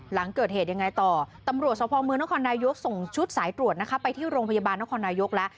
หลังเกิดแห่งง่ายยากต่อตำรวจเสาพองเมืองนครนายยกส่งชุดสายตรวจและไปที่โรงพยาบาลแล้ว